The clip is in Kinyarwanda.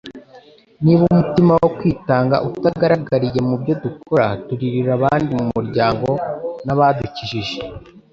Niba umutima wo kwitanga utagaragariye mu byo dukora turirira abandi mu muryango n'abadukikije,